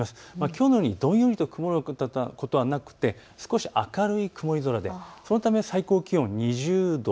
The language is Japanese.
きょうのようにどんよりと曇ることはなく少し明るい曇り空でそのため最高気温２０度。